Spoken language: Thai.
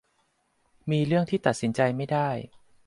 มีเรื่องที่ตัดสินใจไม่ได้